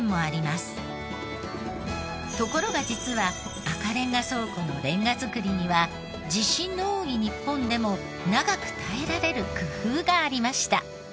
ところが実は赤レンガ倉庫のレンガ造りには地震の多い日本でも長く耐えられる工夫がありました。